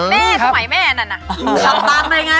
แม่สมัยแม่อันนั้นนะอ้อทำตามอะไรไง